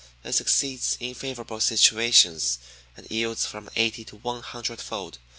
It succeeds in favorable situations and yields from eighty to one hundred fold.